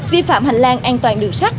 vi phạm hành lang an toàn đường sắt